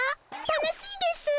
楽しいですぅ。